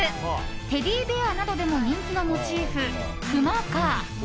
テディベアなどでも人気のモチーフ、クマか。